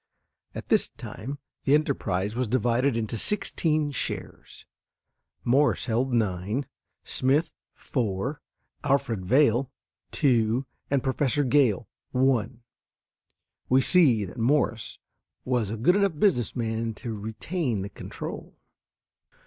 At this time the enterprise was divided into sixteen shares: Morse held nine; Smith, four; Alfred Vail, two; and Professor Gale, one. We see that Morse was a good enough business man to retain the control.